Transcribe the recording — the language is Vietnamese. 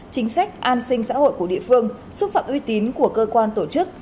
chính sách an sinh xã hội của địa phương xúc phạm uy tín của cơ quan tổ chức